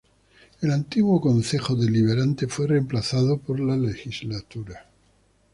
El antiguo Concejo Deliberante fue reemplazado por la Legislatura.